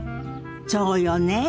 そうよね。